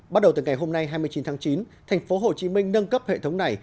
bắt đầu từ ngày hôm nay hai mươi chín tháng chín thành phố hồ chí minh nâng cấp hệ thống này